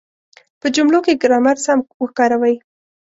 په جملو کې ګرامر سم وکاروئ.